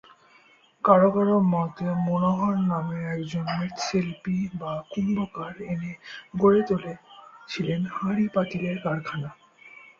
কারো-কারো মতে মনোহর নামে একজন মৃৎশিল্প/কুম্বকার এনে গড়ে তোলে ছিলেন হাড়ি-পাতিলের কারখানা।